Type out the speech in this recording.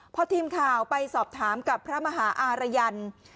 พอทีมข่าวไปสอบถามกับพระมหาอารยันต์